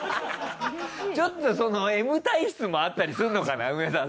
ちょっとＭ体質もあったりするのかな梅沢さん。